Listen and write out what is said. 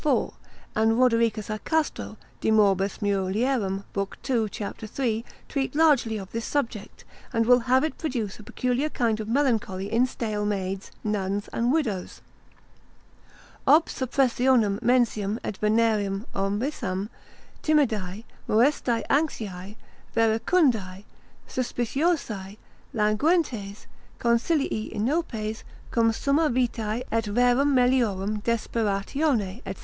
4, and Rodericus a Castro, de morbis mulier. l. 2. c. 3, treat largely of this subject, and will have it produce a peculiar kind of melancholy in stale maids, nuns, and widows, Ob suppressionem mensium et venerem omissam, timidae, moestae anxiae, verecundae, suspicioscae, languentes, consilii inopes, cum summa vitae et rerum meliorum desperatione, &c.